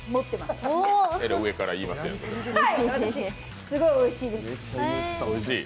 すごいおいしいです。